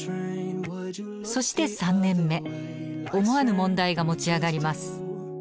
そして３年目思わぬ問題が持ち上がります。